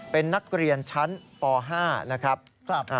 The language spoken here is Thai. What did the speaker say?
เป็นนักเรียนชั้นป๕นะครับ